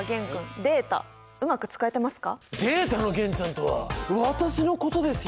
データの玄ちゃんとは私のことですよ。